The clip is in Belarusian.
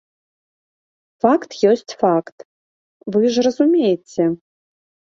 Факт ёсць факт, вы ж разумееце.